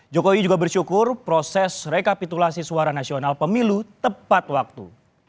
jokowi juga bersyukur proses rekapitulasi suara nasional pemilu tepat waktu